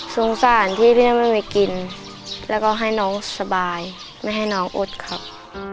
สงสารที่พี่ได้ไม่มีกินแล้วก็ให้น้องสบายไม่ให้น้องอดครับ